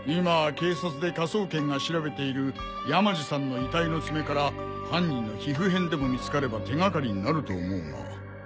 今警察で科捜研が調べている山路さんの遺体の爪から犯人の皮膚片でも見つかれば手がかりになると思うが。